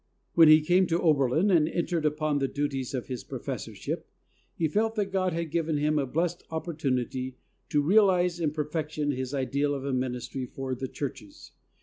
"When he came to Oberlin and entered upon the duties of his professorship, he felt that God had given him a blessed opportunity to realize in perfection his ideal of a ministry for the churches.